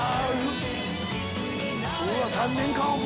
３年間を